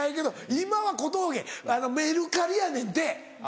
今は小峠メルカリやねんて。